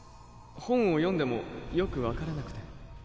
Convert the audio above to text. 本を読んでもよく分からなくて